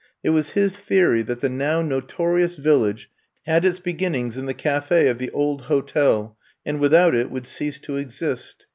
It was his theory that the now notorious Village had its be ginnings in the cafe of the old hotel and without it, would cease to exist.